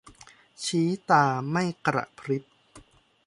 ชี้ตาไม่กระพริบ